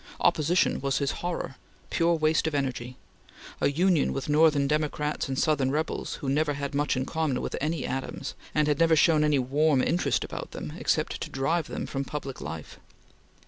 Opposition was his horror; pure waste of energy; a union with Northern Democrats and Southern rebels who never had much in common with any Adams, and had never shown any warm interest about them except to drive them from public life.